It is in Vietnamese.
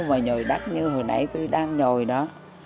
và nhồi đắt như hồi nãy tôi đang nhồi đó